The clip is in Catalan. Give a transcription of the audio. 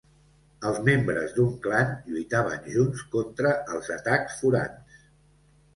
Els membres d'un clan lluitaven junts contra els atacs forans.